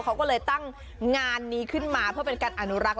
เขาก็เลยตั้งงานนี้ขึ้นมาเพื่อเป็นการอนุรักษ์